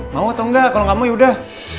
mau atau enggak kalau nggak mau yaudah